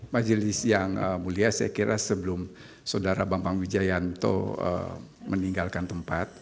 majelis yang mulia saya kira sebelum saudara bambang wijayanto meninggalkan tempat